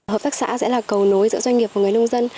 hợp tác xã sẽ là cầu nối giữa doanh nghiệp và người nông dân